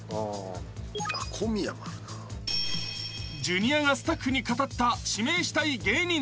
［ジュニアがスタッフに語った指名したい芸人たち］